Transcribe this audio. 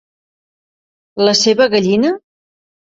La seva gallina?